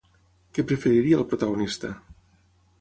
Què preferiria el protagonista?